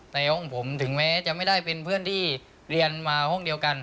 แต่ห้องผมถึงแม้จะไม่ได้เป็นเพื่อนที่เรียนมาห้องเดียวกัน